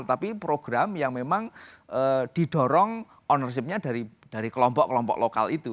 tapi program yang memang didorong ownership nya dari kelompok kelompok lokal itu